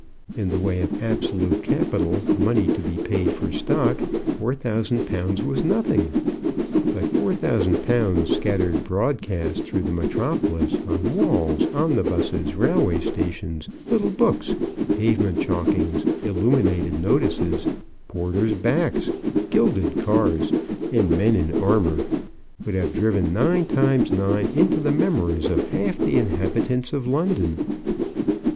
In the way of absolute capital, money to be paid for stock, 4,000_l._ was nothing. But 4,000_l._ scattered broadcast through the metropolis on walls, omnibuses, railway stations, little books, pavement chalkings, illuminated notices, porters' backs, gilded cars, and men in armour, would have driven nine times nine into the memory of half the inhabitants of London.